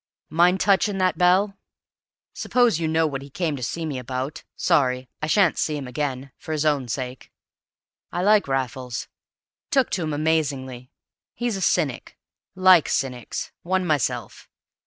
Mind touching that bell? Suppose you know what he came to see me about? Sorry I sha'n't see him again, for his own sake. I liked Raffles took to him amazingly. He's a cynic. Like cynics. One myself.